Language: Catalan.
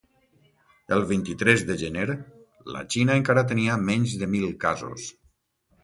El vint-i-tres de gener, la Xina encara tenia menys de mil casos.